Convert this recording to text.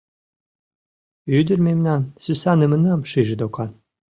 Ӱдыр мемнан сӱсанымынам шиже докан.